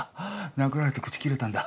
殴られて口切れたんだ。